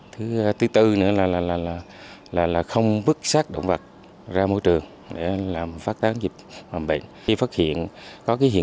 thứ tư nữa là không bức xác động vật ra môi trường để làm phát tán dịch